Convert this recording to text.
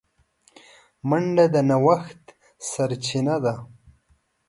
منډه د نوښت سرچینه ده